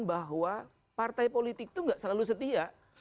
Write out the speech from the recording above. tidak pernah dibayangkan bahwa partai politik itu nggak selalu setia